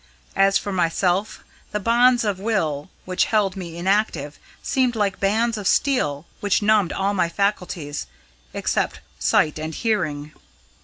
As for myself, the bonds of will which held me inactive seemed like bands of steel which numbed all my faculties, except sight and hearing.